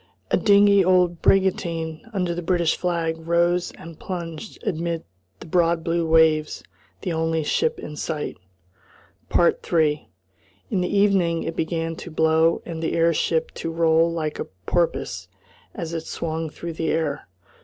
A dingy old brigantine under the British flag rose and plunged amid the broad blue waves the only ship in sight. 3 In the evening it began to blow and the air ship to roll like a porpoise as it swung through the air.